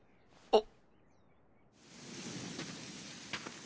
あっ。